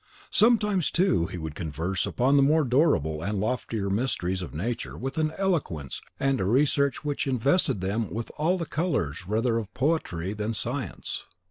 Sometimes, too, he would converse upon the more durable and the loftier mysteries of Nature with an eloquence and a research which invested them with all the colours rather of poetry than science.